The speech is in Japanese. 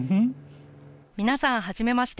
皆さん、はじめまして。